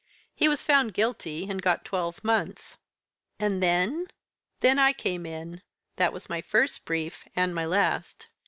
He was found guilty, and got twelve months." "And then?" "Then I came in that was my first brief, and my last.